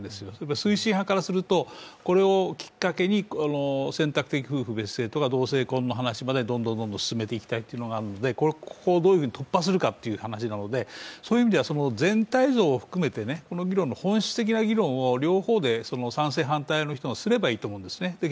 推進派からすると、これをきっかけに選択的夫婦別姓とか同性婚の話までどんどん進めていきたいというのがあるのでここをどういうふうに突破するかという話なのでそういう意味では全体像を含めてこの議論の本質的な議論を両方で賛成・反対の人がすればいいと思うんですね。